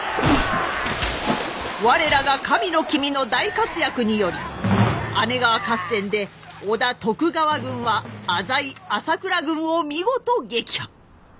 我らが神の君の大活躍により姉川合戦で織田徳川軍は浅井朝倉軍を見事撃破。